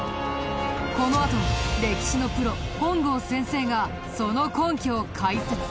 このあと歴史のプロ本郷先生がその根拠を解説！